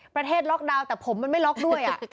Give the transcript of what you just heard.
ล็อกดาวน์แต่ผมมันไม่ล็อกด้วย